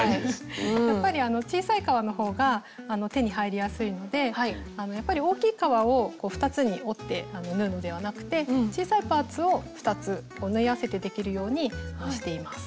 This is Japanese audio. やっぱり小さい革の方が手に入りやすいのでやっぱり大きい革を２つに折って縫うのではなくて小さいパーツを２つ縫い合わせてできるようにしています。